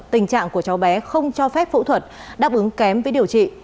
tình trạng của cháu bé không cho phép phẫu thuật đáp ứng kém với điều trị